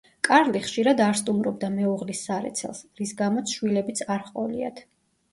კარლი ხშირად არ სტუმრობდა მეუღლის სარეცელს, რის გამოც შვილებიც არ ჰყოლიათ.